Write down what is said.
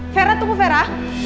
vera tunggu vera